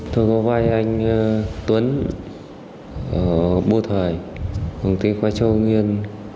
tôi có vai anh tuấn bùa thời hồng tinh khoa châu nguyên